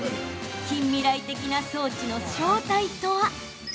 近未来的な装置の正体とは？